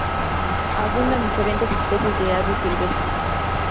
Abundan diferentes especies de aves silvestres.